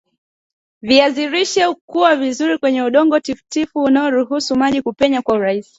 viazi lishe hukua vizuri kwenye udongo tifutifu unaoruhusu maji kupenya kwa urahisi